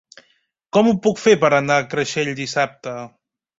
Com ho puc fer per anar a Creixell dissabte?